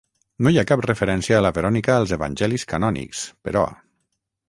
No hi ha cap referència a la Verònica als Evangelis canònics, però.